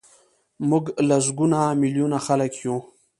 موږ لسګونه میلیونه خلک یو.